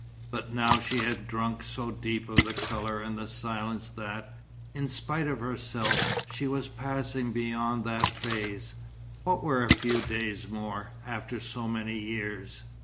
But now she had drunk so deep of the colour and the silence that, in spite of herself, she was passing beyond that phase. What were a few days more, after so many years?